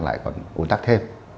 tại còn ồn tắc thêm